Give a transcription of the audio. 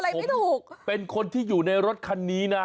แล้วถ้าผมเป็นคนที่อยู่ในรถคันนี้นะ